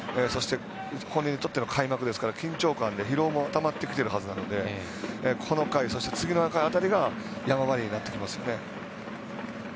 そして本人にとっての開幕ですから緊張感で疲労もたまってきていると思うのでこの回、次の回辺りが山場になってきますよね。